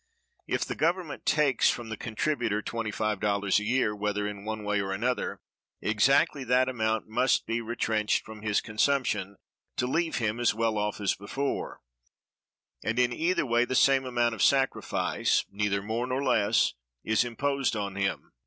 If the Government takes from the contributor [$25] a year, whether in one way or another, exactly that amount must be retrenched from his consumption to leave him as well off as before; and in either way the same amount of sacrifice, neither more nor less, is imposed on him.